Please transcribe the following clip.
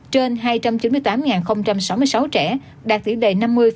trên hai trăm chín mươi tám sáu mươi sáu trẻ đạt tỷ đề năm mươi hai mươi năm